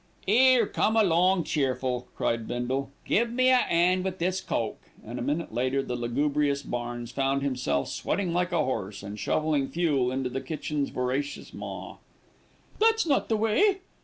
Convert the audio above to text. "'Ere, come along, cheerful," cried Bindle, "give me a 'and with this coke," and, a minute later, the lugubrious Barnes found himself sweating like a horse, and shovelling fuel into the kitchen's voracious maw. "That's not the way!"